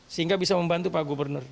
sehingga bisa membantu pak gubernur